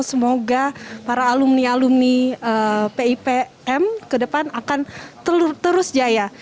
semoga para alumni alumni pipm ke depan akan terus jaya